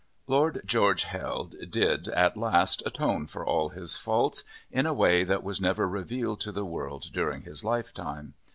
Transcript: Lord George Hell did, at last, atone for all his faults, in a way that was never revealed to the world during his life time.